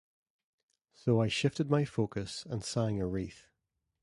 So I shifted my focus and sang a wreath.